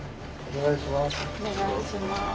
お願いします。